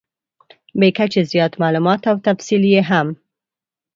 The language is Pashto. بې کچې زیات مالومات او تفصیل یې هم .